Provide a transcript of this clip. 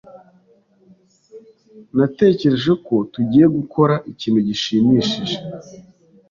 Natekereje ko tugiye gukora ikintu gishimishije.